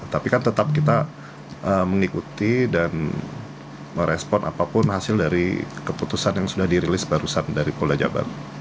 tapi kan tetap kita mengikuti dan merespon apapun hasil dari keputusan yang sudah dirilis barusan dari polda jabar